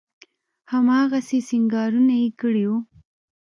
هماغسې سينګارونه يې کړي وو.